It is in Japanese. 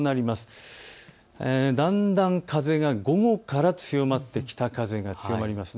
だんだん風が午後から強まってきて北風が強まります。